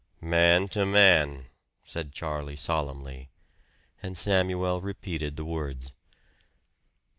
"Man to man," said Charlie solemnly; and Samuel repeated the words.